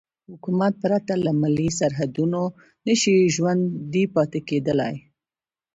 حکومت پرته له ملي سرحدونو نشي ژوندی پاتې کېدای.